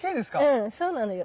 うんそうなのよ。